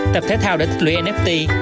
tập thể thao để tích lưỡi nft